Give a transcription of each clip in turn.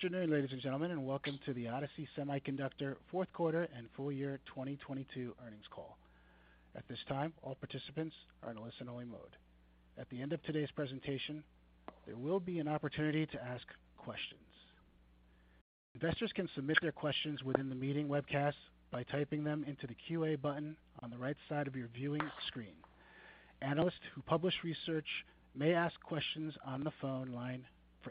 Good afternoon, ladies and gentlemen, and welcome to the Odyssey Semiconductor 4th Quarter and Full Year 2022 Earnings Call. At this time, all participants are in a listen only mode. At the end of today's presentation, there will be an opportunity to ask questions. Investors can submit their questions within the meeting webcast By typing them into the Q and A button on the right side of your viewing screen, analysts who publish research may ask questions on the phone line. As a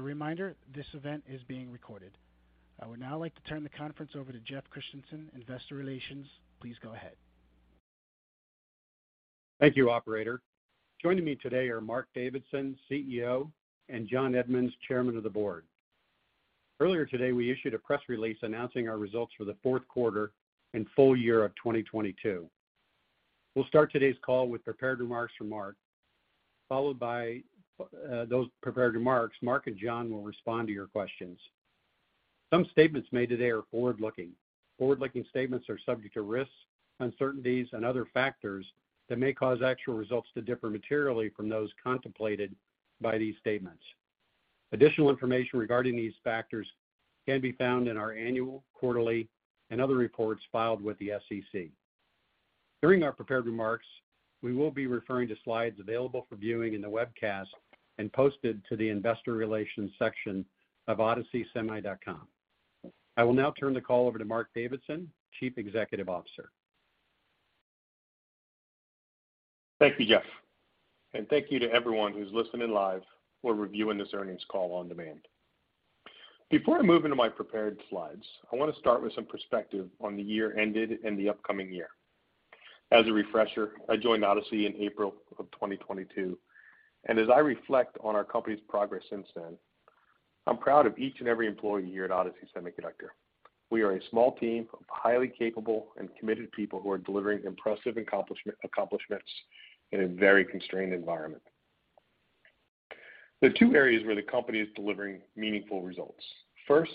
reminder, this event is being recorded. I I would now like to turn the conference over to Jeff Christiansen, Investor Relations. Please go ahead. Thank you, operator. Joining me today are Mark Davidson, CEO and John Edmunds, Chairman of the Board. Earlier today, we issued a press release announcing our results for the Q4 And full year of 2022. We'll start today's call with prepared remarks from Mark. Followed by Those prepared remarks, Mark and John will respond to your questions. Some statements made today are forward looking. Forward looking statements are subject to risks, Uncertainties and other factors that may cause actual results to differ materially from those contemplated by these statements. Additional information regarding these factors can be found in our annual, quarterly and other reports filed with the SEC. During our prepared remarks, we will be referring to slides available for viewing in the webcast and posted to the Investor Relations section ofodysseysemi.com. I will now turn the call over to Mark Davidson, Chief Executive Officer. Thank you, Jeff, and thank you to everyone who's listening live or reviewing this earnings call on demand. Before I move into my prepared slides, I want to start with some perspective on the year ended and the upcoming year. As a refresher, I joined Odyssey in April of 2022. And as I reflect on our company's progress since then, I'm proud of each and every employee here at Odyssey Semiconductor. We are a small team of highly capable and committed people who are delivering impressive accomplishments in a very constrained environment. There are 2 areas where the company is delivering meaningful results. 1st,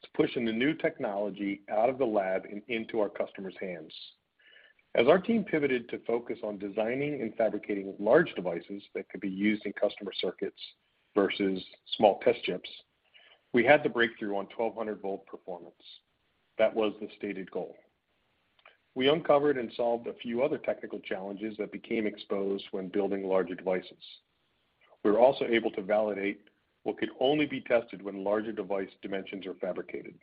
It's pushing the new technology out of the lab and into our customers' hands. As our team pivoted to focus on designing and fabricating large devices That could be used in customer circuits versus small test chips. We had the breakthrough on 1200 volt performance. That was the stated goal. We uncovered and solved a few other technical challenges that became exposed when building a larger device. We're also able to validate what could only be tested when larger device dimensions are fabricated.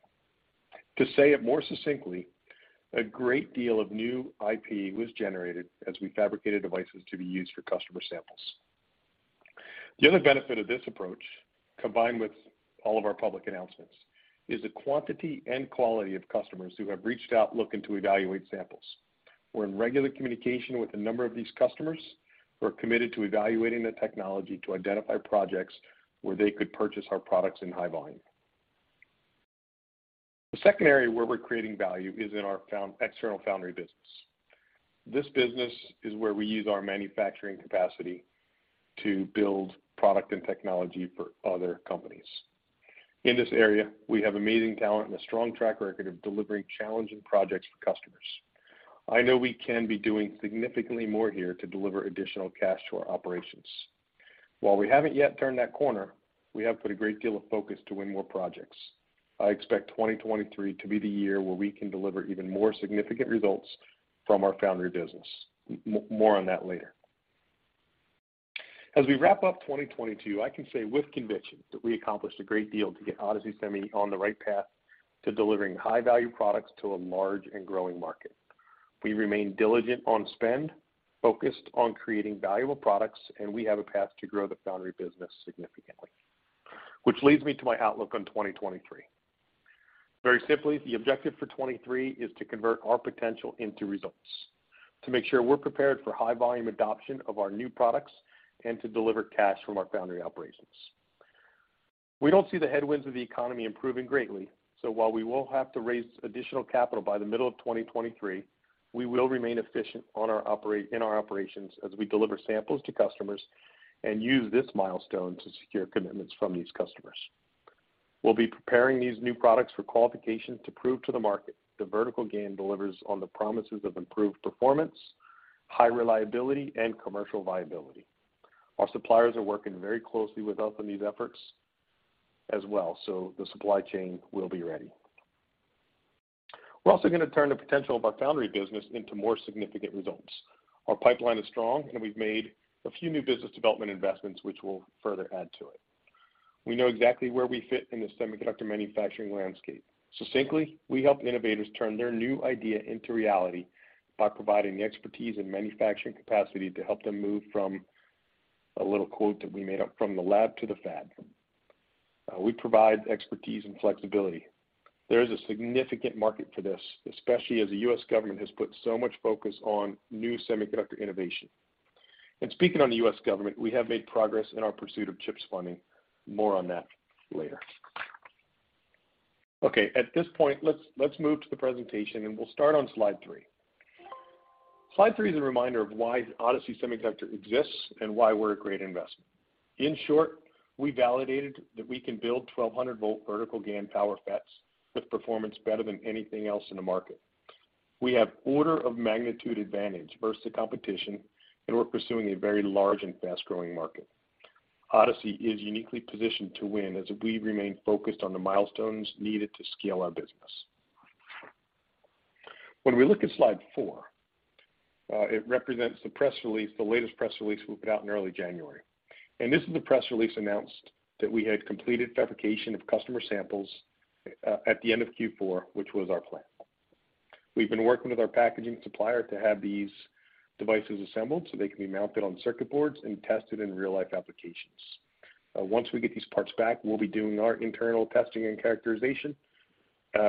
To say it more succinctly, A great deal of new IP was generated as we fabricated devices to be used for customer samples. The other benefit of this approach, combined with All of our public announcements is the quantity and quality of customers who have reached out looking to evaluate samples. We're in regular communication with a number of these customers. We're committed to evaluating the technology to identify projects where they could purchase our products in high volume. The second area where we're creating value is in our external foundry business. This business is where we use our manufacturing capacity I know we can be doing significantly more here to deliver additional cash to our operations. While we haven't yet turned that corner, We have put a great deal of focus to win more projects. I expect 2023 to be the year where we can deliver even more significant results From our foundry business, more on that later. As we wrap up 2022, I can say with conviction We accomplished a great deal to get Odysee Semi on the right path to delivering high value products to a large and growing market. We remain diligent on spend, focused on creating valuable products, and we have a path to grow the foundry business significantly, Which leads me to my outlook on 2023. Very simply, the objective for 2023 is to convert our potential into results, To make sure we're prepared for high volume adoption of our new products and to deliver cash from our foundry operations. We don't see the headwinds of the economy improving greatly. So while we will have to raise additional capital by the middle of 2023, we will remain efficient in our operations We'll be preparing these new products for qualification to prove to the market The vertical gain delivers on the promises of improved performance, high reliability and commercial viability. Our suppliers are working very closely with us in these efforts as well, so the supply chain will be ready. We're also going to turn the potential of our foundry business into more significant results. Our pipeline is strong, and we've made a few new business development investments, which will further add to it. We know exactly where we fit in the semiconductor manufacturing landscape. Succinctly, we help innovators turn their new idea into reality by providing the expertise and manufacturing capacity to help them move from A little quote that we made up from the lab to the fad. We provide expertise and flexibility. There is a significant market for this, especially as the U. S. Government has put so much focus on new semiconductor innovation. And speaking on the U. S. Government, we have made progress in our pursuit of CHIP's funding, More on that later. Okay. At this point, let's move to the presentation and we'll start on Slide 3. Slide 3 is a reminder of why Odyssey Semiconductor exists and why we're a great investment. In short, we validated We can build 1200 volt vertical GaN Power FETs with performance better than anything else in the market. We have order of magnitude advantage versus the competition And we're pursuing a very large and fast growing market. Odyssey is uniquely positioned to win as we remain focused on the milestones needed to scale our business. When we look at Slide 4, it represents the press release, the latest press release we put out in early January. And this is the press release announced We had completed fabrication of customer samples at the end of Q4, which was our plan. We've been working with our packaging supplier to have these Device is assembled, so they can be mounted on circuit boards and tested in real life applications. Once we get these parts back, we'll be doing our internal testing and characterization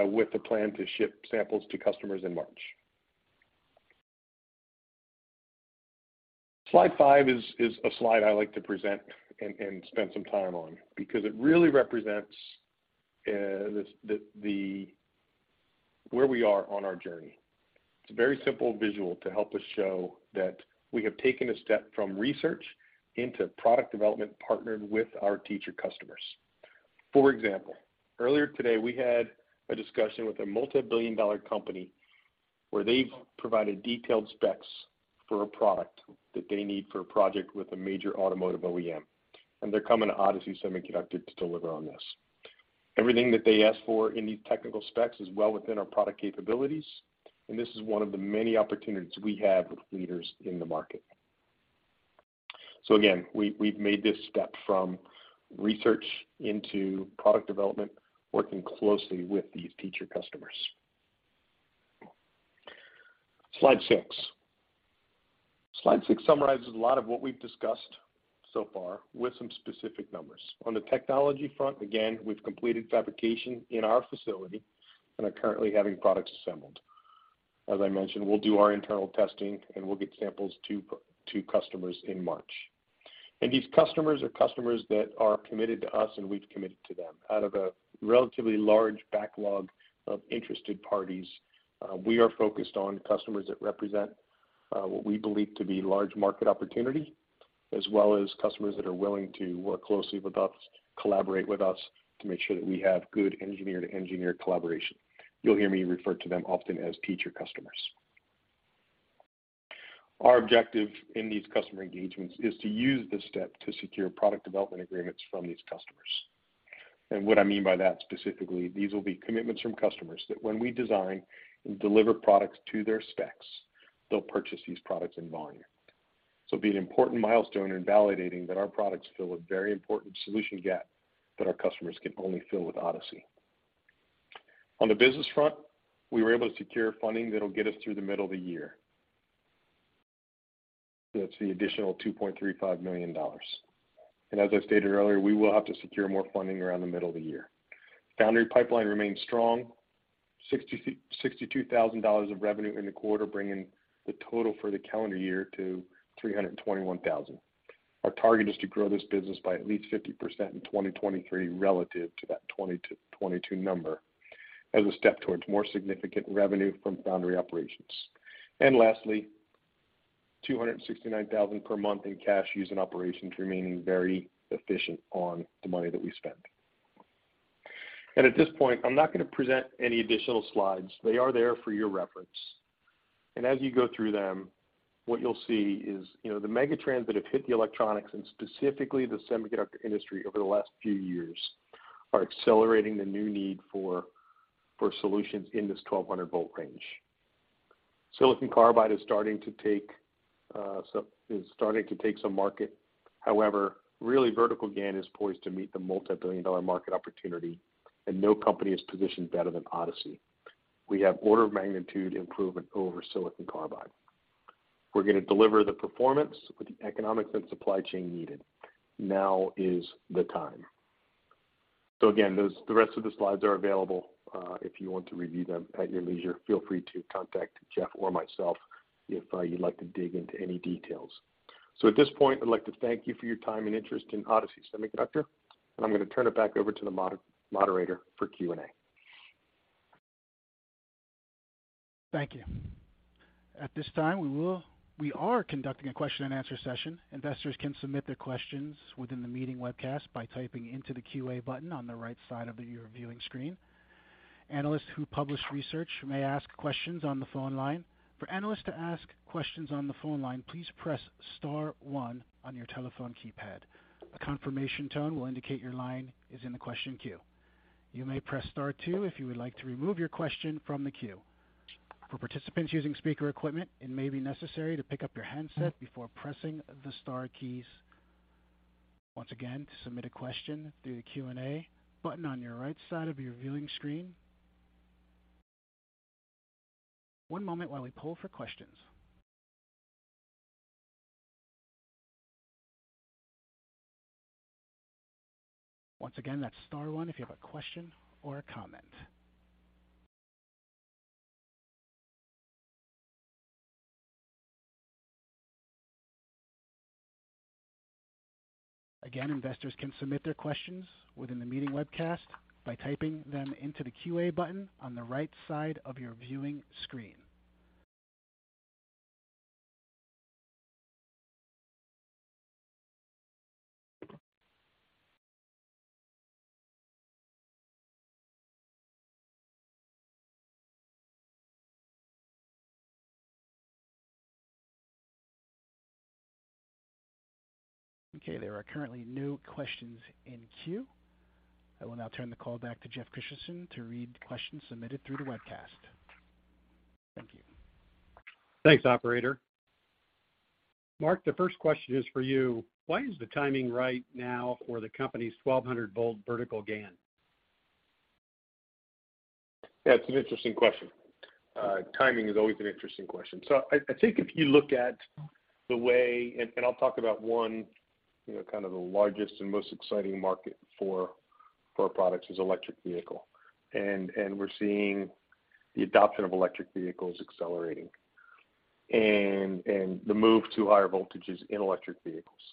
With the plan to ship samples to customers in March. Slide 5 is a slide I like to present And spend some time on because it really represents the where we are on our journey. It's a very simple visual to help us show that we have taken a step from research into product development partnered with our teacher customers. For example, earlier today, we had a discussion with a multibillion dollar company where they've provided detailed specs For a product that they need for a project with a major automotive OEM, and they're coming to Odyssey Semiconductor to deliver on Everything that they ask for in these technical specs is well within our product capabilities, and this is one of the many opportunities we have with leaders in the market. So again, we've made this step from research into product development, working closely with these future customers. Slide 6. Slide 6 summarizes a lot of what we've discussed So far, with some specific numbers. On the technology front, again, we've completed fabrication in our facility and are currently having products assembled. As I mentioned, we'll do our internal testing and we'll get samples to customers in March. And these customers are customers that are committed to us and we've Out of a relatively large backlog of interested parties, we are focused on customers that represent What we believe to be large market opportunity as well as customers that are willing to work closely with us, collaborate with us To make sure that we have good engineer to engineer collaboration, you'll hear me refer to them often as teacher customers. Our objective in these customer engagements is to use this step to secure product development agreements from these customers. And what I mean by that specifically, these will be commitments from customers that when we design and deliver products to their specs, they'll purchase these products in volume. This will be an important milestone in validating that our products fill a very important solution gap that our customers can only fill with Odysee. On the business front, We were able to secure funding that will get us through the middle of the year. That's the additional $2,350,000 And as I stated earlier, we will have to secure more funding around the middle of the year. Foundry pipeline remains strong, dollars $62,000 of revenue in the quarter bringing the total for the calendar year to $321,000 Our target is to grow this business by at least 50% 2023 relative to that 2022 number as a step towards more significant revenue from foundry operations. And lastly, dollars 269,000 per month in cash used in operations remaining very efficient on the money that we spend. And At this point, I'm not going to present any additional slides. They are there for your reference. And as you go through them, what you'll see is The megatrends that have hit the electronics and specifically the semiconductor industry over the last few years are accelerating the new need For solutions in this 1200 volt range. Silicon carbide is starting to take some market. However, Really, Vertical GaN is poised to meet the multibillion dollar market opportunity and no company is positioned better than Odyssey. We have order of magnitude improvement over silicon carbide. We're going to deliver the performance with the economics and supply chain needed. Now is the time. So again, the rest of the slides are available. If you want to review them at your leisure, feel free to contact Jeff or myself So at this point, I'd like to thank you for your time and interest in Odyssey Semiconductor. And I'm going to turn it back over to the Moderator for Q and A. Thank you. At this time, we will we are conducting a question and answer session. Investors can submit their questions within the meeting webcast by typing into the Q and A button on the right side of your viewing screen. Analysts who publish research may ask questions on the phone line. Again, investors can submit their questions within the meeting webcast by typing them into the Q and A button on the right side of your viewing screen. Okay. There are currently no questions in queue. I will now turn the call back to Jeff Christensen to read the questions submitted through the webcast. Thank you. Thanks, operator. Mark, the first question is for you. Why is the timing right now for the company's 1200 volt vertical GaN? Yes, it's an interesting question. Timing is always an interesting question. So I think if you look at The way and I'll talk about one kind of the largest and most exciting market for our products is electric vehicle. And we're seeing The adoption of electric vehicles accelerating and the move to higher voltages in electric vehicles.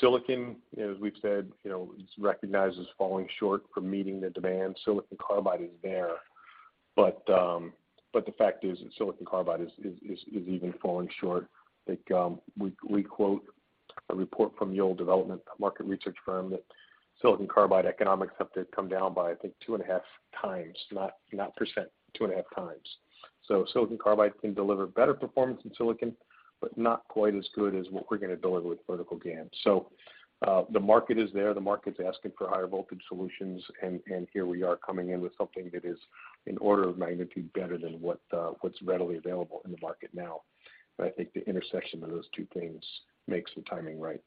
Silicon, as we've said, it's recognized as falling short for meeting the demand. Silicon carbide is there. But the fact is that silicon carbide is even falling short. I think we quote a report from the old development market research firm that Silicon carbide economics have to come down by, I think, 2.5x, not percent, 2.5x. So silicon carbide can deliver better performance in silicon, But not quite as good as what we're going to deliver with vertical GaN. So the market is there, the market is asking for higher voltage solutions and here we are coming in with something that is In order of magnitude better than what's readily available in the market now, but I think the intersection of those two things makes the timing right.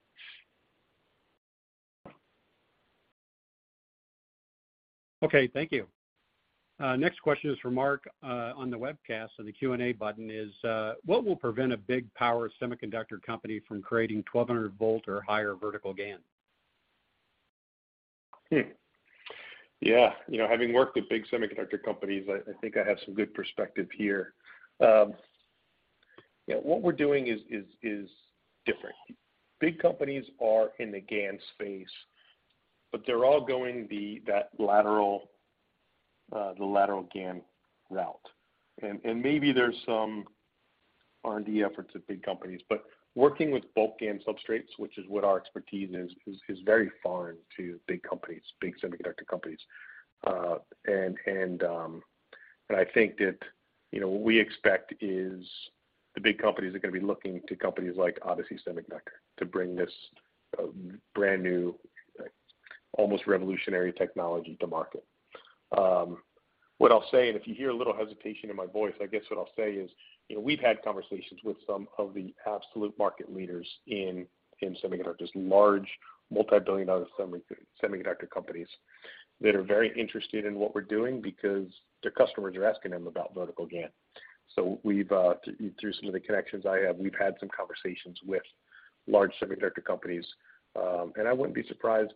Okay. Thank you. Next question is from Mark on the webcast and the Q and A button is, What will prevent a big power semiconductor company from creating 1200 volt or higher vertical gain? Yes. Having worked with big semiconductor companies, I think I have some good perspective here. What we're doing is different. Big companies are in the GaN space, But they're all going that lateral GaN route. And maybe there's some R and D efforts at big companies, but working with bulk GaN substrates, which is what our expertise is, is very foreign to big companies, big semiconductor companies. And I think that what we expect is the big companies are going to be looking to companies like Odyssey Semiticus To bring this brand new, almost revolutionary technology to market. What I'll say and if you hear a little hesitation in my voice, I guess what I'll say is, we've had conversations with some of the absolute market leaders in AIM semiconductor is large multibillion dollar semiconductor companies that are very interested in what we're doing because their customers are asking them about vertical GaN. So we've through some of the connections I have, we've had some conversations with large semiconductor companies. And I wouldn't be surprised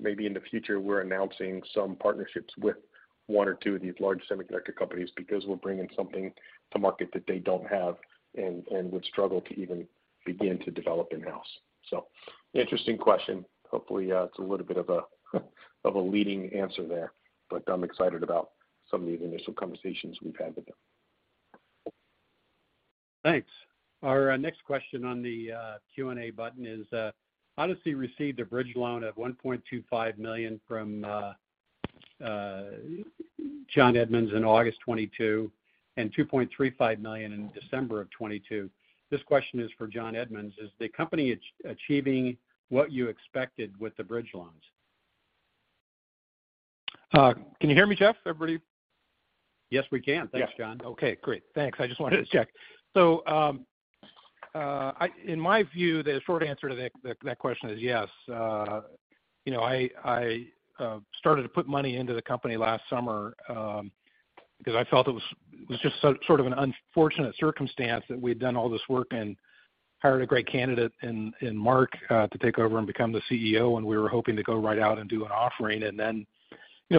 Maybe in the future, we're announcing some partnerships with 1 or 2 of these large semiconductor companies because we're bringing something to market that they don't have And would struggle to even begin to develop in house. So interesting question. Hopefully, it's a little bit of a leading answer there, But I'm excited about some of these initial conversations we've had with them. Thanks. Our next question on the Q and A button is, Odyssey received a bridge loan of $1,250,000 from John Edmunds in August 22 And $2,350,000 in December of 'twenty two. This question is for John Edmunds. Is the company achieving what you expected with the bridge loans? Can you hear me, Jeff, everybody? Yes, we can. Thanks, John. Okay, great. Thanks. I just wanted to check. So In my view, the short answer to that question is yes. I Started to put money into the company last summer, because I felt it was just sort of an unfortunate circumstance that we've done all this work and Hired a great candidate in Mark to take over and become the CEO, and we were hoping to go right out and do an offering. And then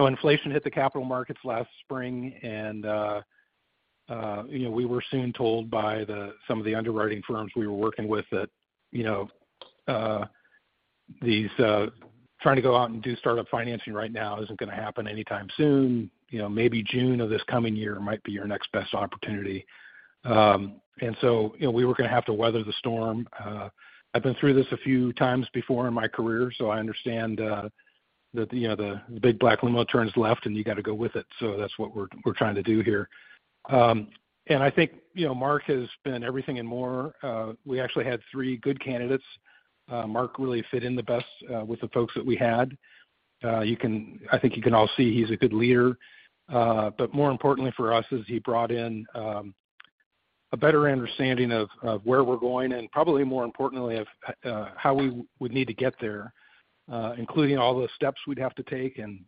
inflation hit the capital markets last Spring and we were soon told by the some of the underwriting firms we were working with that Trying to go out and do start up financing right now isn't going to happen anytime soon. Maybe June of this coming year might be your next best opportunity. And so we were going to have to weather the storm. I've been through this a few times before in my career, so I understand The big black limo turns left and you got to go with it. So that's what we're trying to do here. And I think Mark has been everything and more. We actually had 3 good candidates. Mark really fit in the best with the folks that we had. You can I think you can all see he's a good leader, but more importantly for us is he brought in A better understanding of where we're going and probably more importantly of how we would need to get there, including all the steps we'd have to take and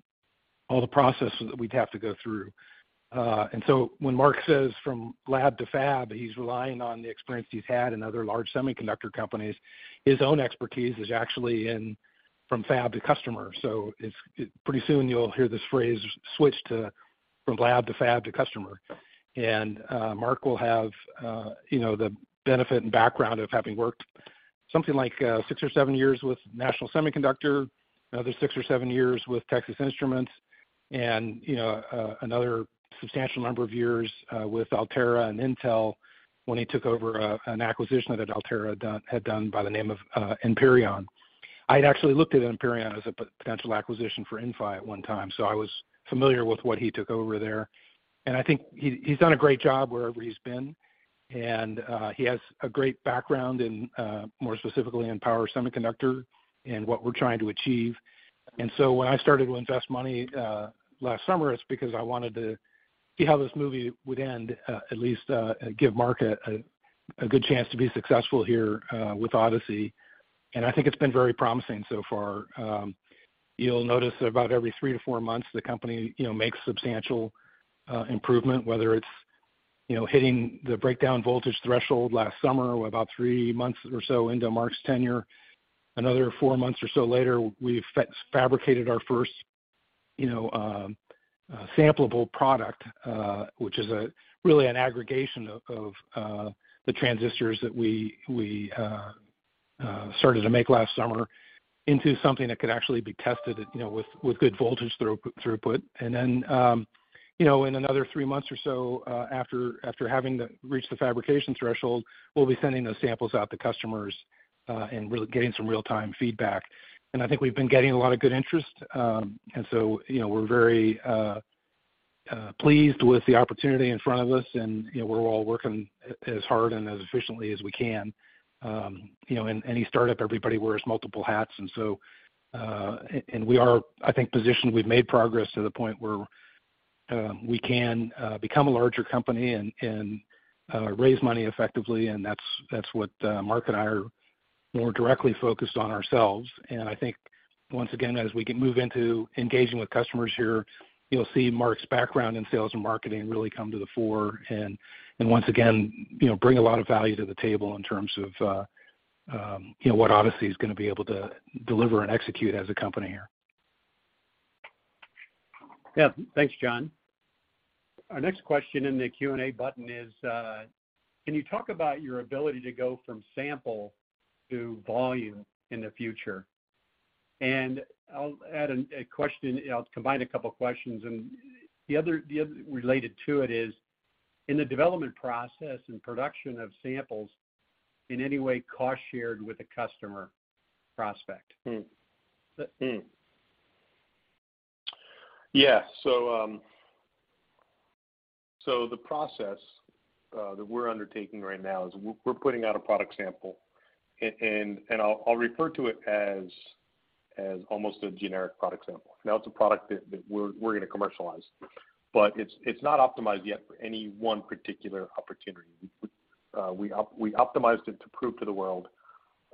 All the processes that we'd have to go through? And so when Mark says from lab to fab, he's relying on the experience he's had in other large semiconductor companies. His own expertise is actually in from fab to customer. So pretty soon you'll hear this phrase switch to From lab to fab to customer. And Mark will have the benefit and background of having worked Something like 6 or 7 years with National Semiconductor, another 6 or 7 years with Texas Instruments and another Substantial number of years with Alterra and Intel when they took over an acquisition that Alterra had done by the name of Enpyrion. I had actually looked at Empyrean as a potential acquisition for Inphi at one time. So I was familiar with what he took over there. And I think he's done a great job wherever he's been. And he has a great background in more specifically in Power Semiconductor and what we're trying to achieve. And so when I started to invest money last summer, it's because I wanted to see how this movie would end at least give market A good chance to be successful here with Odysee. And I think it's been very promising so far. You'll notice about every 3 to 4 months, the company make Substantial improvement, whether it's hitting the breakdown voltage threshold last summer or about 3 months or so into Mark's tenure, Another 4 months or so later, we've fabricated our first sampleable product, which is Really an aggregation of the transistors that we started to make last summer Into something that could actually be tested with good voltage throughput. And then in another 3 months or so after having Reached the fabrication threshold, we'll be sending those samples out to customers and getting some real time feedback. And I think we've been getting a lot of good interest. And so we're very pleased with the opportunity in front of us and we're all working as hard and as efficiently as we In any start up, everybody wears multiple hats. And so and we are, I think, positioned. We've made progress to the point where We can become a larger company and raise money effectively, and that's what Mark and I are We're directly focused on ourselves. And I think once again, as we can move into engaging with customers here, you'll see Mark's background in sales and marketing really come And once again, bring a lot of value to the table in terms of, what Odysee is going to be able to deliver and execute as a company here. Yes. Thanks, John. Our next question in the Q and A button is, Can you talk about your ability to go from sample to volume in the future? And I'll add a question. I'll combine a couple of questions. And the other related to it is, in the development process and production of samples, Yes. So the process that we're undertaking right now is we're putting out a product sample, And I'll refer to it as almost a generic product sample. Now it's a product that we're going to commercialize, But it's not optimized yet for any one particular opportunity. We optimized it to prove to the world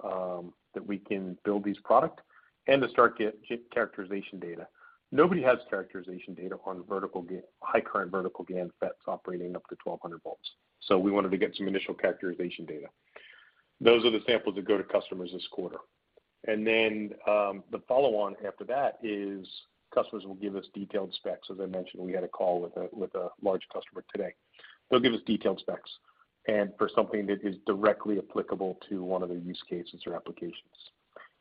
That we can build these products and to start characterization data. Nobody has characterization data on vertical High current vertical GaN FETs operating up to 1200 volts. So we wanted to get some initial characterization data. Those are the samples that go to customers this quarter. And then, the follow on after that is customers will give us detailed specs. As I mentioned, we had a call with a large customer today. They'll give us detailed specs. And for something that is directly applicable to one of the use cases or applications.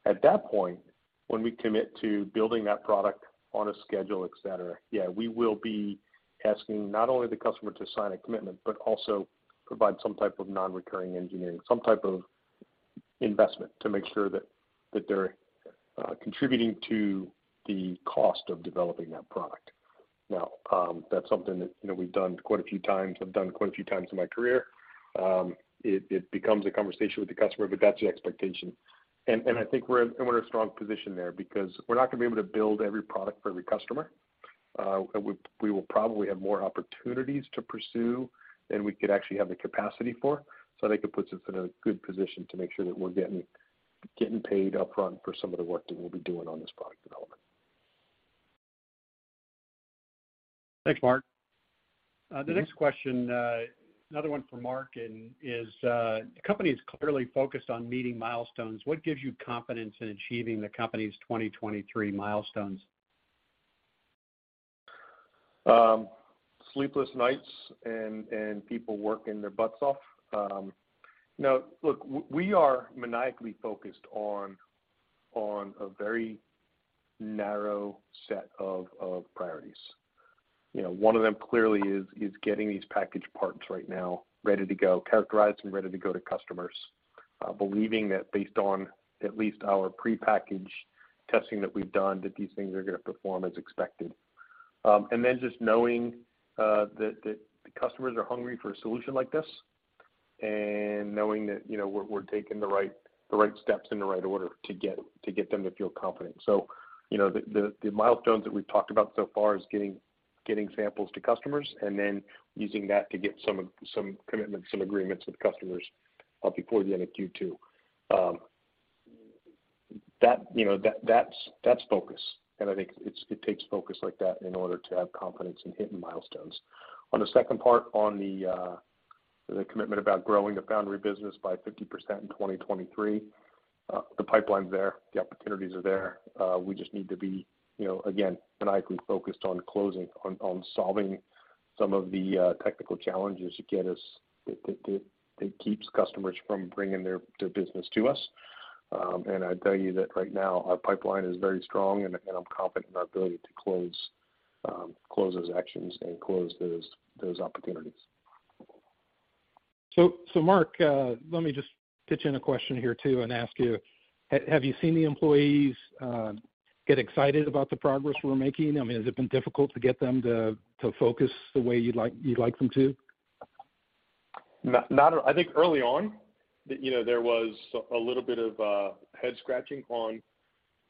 At that point, when we commit to building that product On a schedule, etcetera. Yes, we will be asking not only the customer to sign a commitment, but also provide some type of non recurring engineering, some type of Investment to make sure that they're contributing to the cost of developing that product. Well, that's something that we've done quite a few times. I've done quite a few times in my career. It becomes a conversation with the customer, but that's the expectation. And I think we're in a strong position there because we're not going to be able to build every product for every customer. We will probably have more opportunities to pursue And we could actually have the capacity for. So I think it puts us in a good position to make sure that we're getting paid upfront for some of the work that we'll be doing on this product development. Thanks, Mark. The next question, another one for Mark is, the company is Clearly focused on meeting milestones, what gives you confidence in achieving the company's 2023 milestones? Sleepless nights and people working their butts off. Look, we are maniacally We focused on a very narrow set of priorities. Yes. One of them clearly is getting these packaged parts right now ready to go, characterized and ready to go to customers, believing that based on At least our prepackaged testing that we've done that these things are going to perform as expected. And then just knowing The customers are hungry for a solution like this and knowing that we're taking the right steps in the right order To get them to feel confident. So the milestones that we've talked about so far is getting samples to customers and then Using that to get some commitments and agreements with customers before the end of Q2. That's focus. And I think it takes focus like that in order to have confidence in hitting milestones. On the second part on the commitment about growing the foundry business by 50% in 2023, the pipeline is there, the opportunities are there. We just need to be, again, financially focused on closing on solving some of the technical challenges again as It keeps customers from bringing their business to us. And I'd tell you that right now, our pipeline is very strong, and I'm confident in our ability to Close those actions and close those opportunities. So Mark, let me just Kitchen a question here too and ask you, have you seen the employees get excited about the progress we're making? I mean, has it been difficult to get them So focus the way you'd like them to? Not I think early on, there was a little bit of Head scratching, Huang.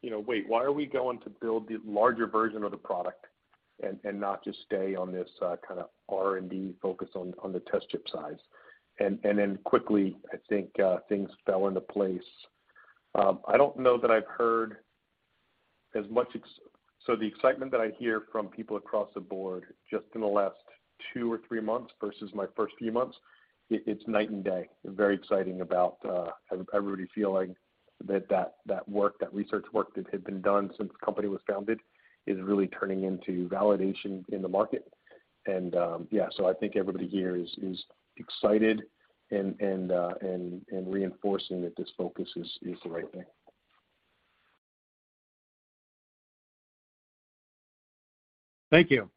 Wait, why are we going to build the larger version of the product and not just stay on this kind of R and D focused on the test chip size. And then quickly, I think things fell into place. I don't know that I've heard as much so the excitement that I hear from people across the board just in the last 2 or 3 months versus my 1st few months, it's night and day. Very exciting about everybody feeling That work, that research work that had been done since the company was founded is really turning into validation in the market. And, yes, so I think everybody here is excited and reinforcing that this focus is the right thing. Thank you.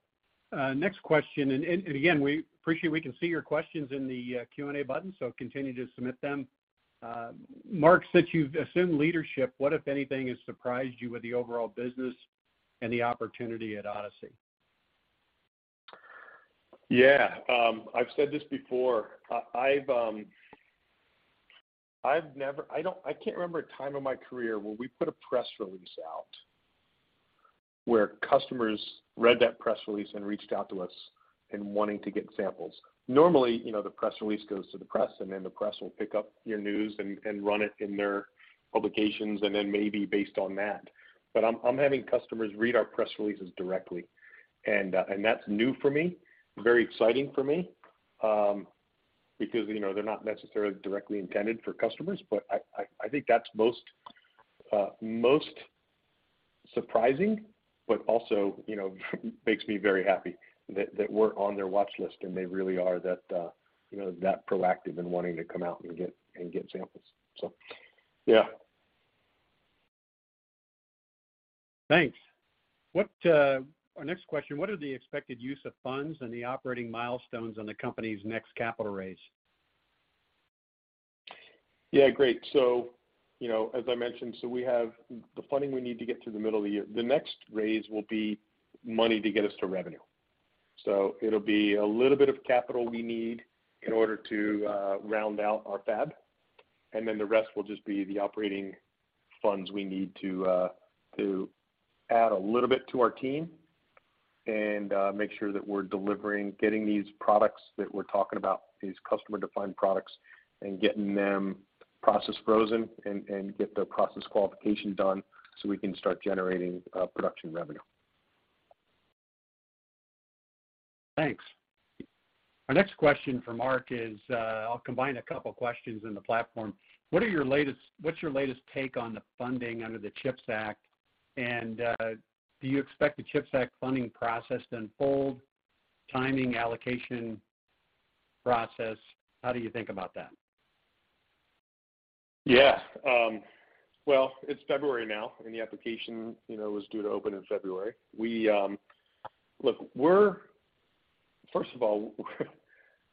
Next question and again, we appreciate we can see your questions in the Q and A button, so Mark, since you've assumed leadership, what if anything has surprised you with the overall business and the opportunity at Odyssey? Yes. I've said this before. I've never I can't remember a time in my career when we put a press release out where customers read that press release and reached out to us and wanting to get samples. Normally, the press release goes to the press and then the press will pick up your news and run it in their publications and then maybe based on that. But I'm having customers read our press releases directly. And that's new for me, very exciting for me, Because they're not necessarily directly intended for customers, but I think that's most surprising, But also, it makes me very happy that we're on their watch list and they really are that proactive in wanting to come out and get samples. Thanks. What our next question, what are the Yes, great. As I mentioned, so we have the funding we need to get through the middle of the year. The next raise will be money to get us to revenue. So it will be a little bit of capital we need in order to round out our fab, and then the rest will just be the operating Funds we need to add a little bit to our team and make sure that we're delivering, getting these products that we're talking about, These customer defined products and getting them processed frozen and get the process qualification done, so we can start generating production revenue. Thanks. Our next question for Mark is, I'll combine a couple of questions in the platform. What are your latest what's your latest take on the funding under the Chips Act? And do you expect the Chips Act funding process to unfold? Timing allocation process, how do you think about that? Yes. Well, it's February now. I mean, the application is due to open in February. We look, we're first of all,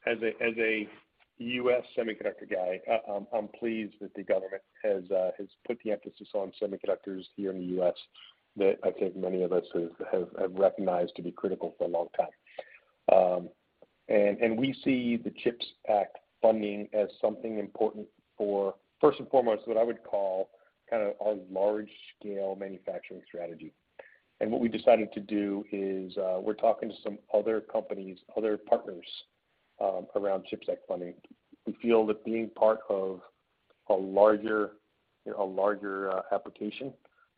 As a U. S. Semiconductor guy, I'm pleased that the government has put the emphasis on semiconductors here in the U. S. I think many of us have recognized to be critical for a long time. And we see the CHIPS Act funding as something important 1st and foremost, what I would call kind of our large scale manufacturing strategy. And what we decided to do is, we're talking to some other companies, Other partners around ChipSec funding, we feel that being part of a larger application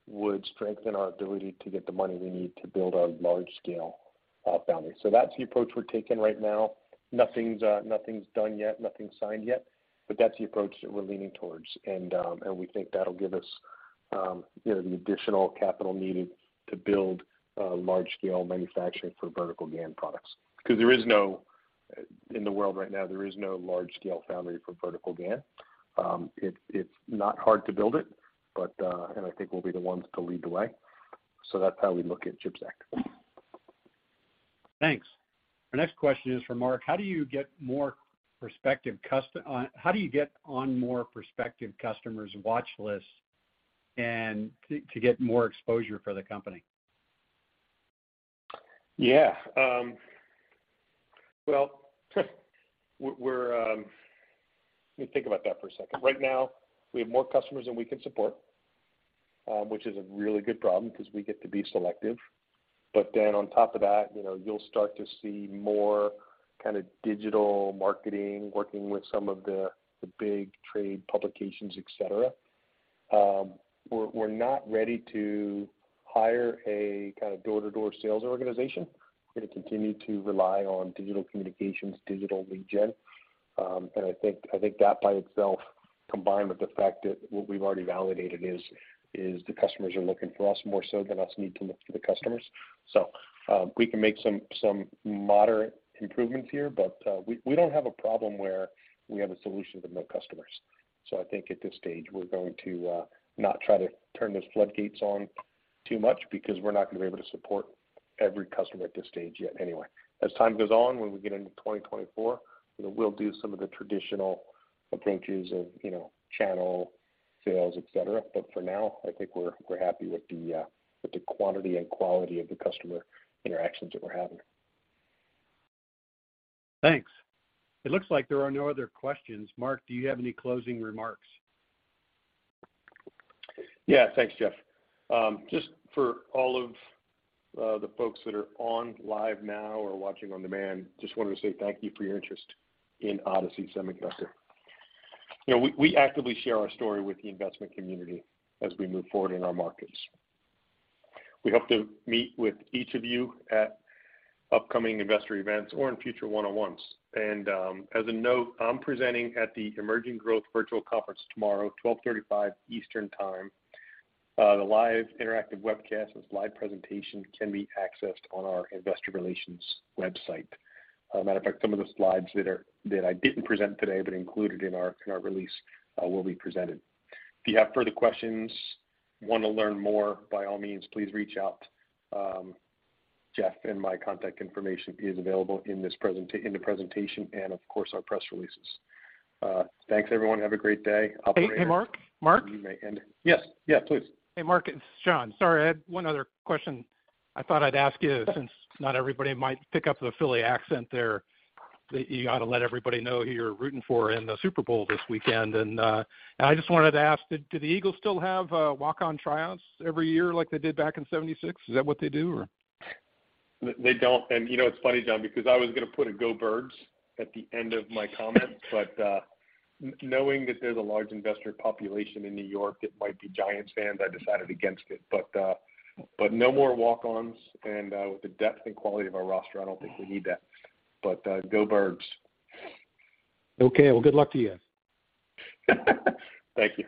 Would strengthen our ability to get the money we need to build our large scale family. So that's the approach we're taking right now. Nothing is done yet, nothing is signed yet, but that's the approach that we're leaning towards. And we think that will give us the additional capital needed To build large scale manufacturing for vertical GaN products, because there is no in the world right now, there is no large scale foundry for vertical GaN. It's not hard to build it, but and I think we'll be the ones to lead the way. So that's how we look at ChipScik. Thanks. Our next question is for Mark. How do you get more perspective how do you get on more perspective customers watch list And to get more exposure for the company. Yes. Well, we're let me think about that for a second. Right now, we have more customers than we can support, Which is a really good problem because we get to be selective. But then on top of that, you'll start to see more Kind of digital marketing, working with some of the big trade publications, etcetera. We're not ready to Hire a kind of door to door sales organization. We're going to continue to rely on digital communications, digital lead gen. And I think that by itself combined with the fact that what we've already validated is the customers are looking for us more so than us need to look for the customers. So we can make some moderate improvements here, but we don't have a problem where we have a solution with no customers. So I think at this stage, we're going to not try to turn those floodgates on too much because we're not going to be able to support Every customer at this stage yet anyway. As time goes on, when we get into 2024, we'll do some of the traditional approaches of channel, Sales, etcetera. But for now, I think we're happy with the quantity and quality of the customer interactions that we're having. Thanks. It looks like there are no other questions. Mark, do you have any closing remarks? Yes. Thanks, Jeff. Just for all of the folks that are on live now or watching on demand, just wanted to say thank you for your interest in Odyssey Semiconductor. We actively share our story with the investment community as we move forward in our markets. We hope to meet with each of you at upcoming investor events or in future 101s. And as a note, I'm presenting at the Emerging Growth Virtual Conference tomorrow, 12:35 Eastern Time. The live interactive webcast and slide presentation can be accessed on our Investor Relations website. A matter of fact, some of the slides that I didn't present today but included in our release will be presented. If you have further questions, Want to learn more, by all means, please reach out. Jeff and my contact information is available in the presentation and of course, our press releases. Thanks, everyone. Have a great day. Hey, Mark. Yes, please. Hey, Mark, it's John. Sorry, I had one other question I thought I'd ask you since not everybody might pick up the Philly accent there, you got to let everybody know who you're rooting for in the Super Bowl this weekend. And I just wanted to ask, did the Eagle still have walk on tryouts every year like they did back in 'seventy six? Is that what they do or? They don't. And it's funny, John, because I was going to put a Go Birds at the end of my comments. But knowing that there's a large investor The population in New York, it might be Giants fans, I decided against it. But no more walk ons and with the depth and quality of our roster, I don't think we need that. But go birds. Okay. Well, good luck to you. Thank you.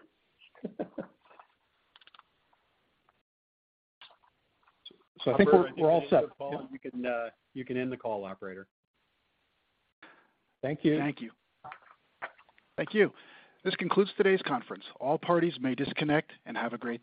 So I think we're all set. You can end the call, operator. Thank you. Thank you. Thank you. This concludes today's conference. All parties may disconnect and have a great